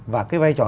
và cái vai trò